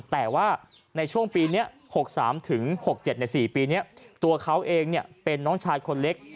แต่ว่าในช่วงปีนี้๖๓๖๗ใน๔ปีนี้ตัวเขาเองเป็นน้องชายคนเล็ก